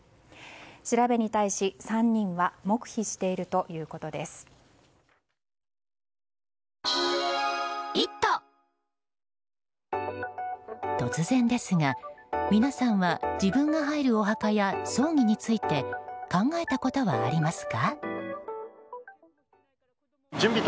調べに対し３人は突然ですが、皆さんは自分が入るお墓や葬儀について考えたことはありますか？